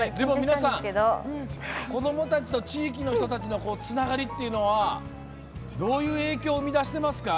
子どもたちと地域の人とのつながりというのはどういう影響を生み出していますか？